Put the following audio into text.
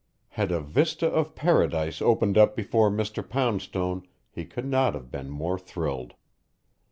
Had a vista of paradise opened up before Mr. Poundstone, he could not have been more thrilled.